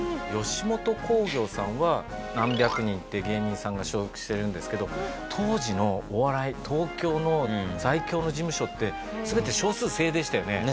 吉本興業さんは何百人っていう芸人さんが所属してるんですけど当時のお笑い東京の在京の事務所って全て少数精鋭でしたよね。